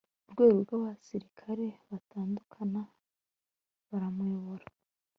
urwego rw'abasirikare baratandukana baramuyobora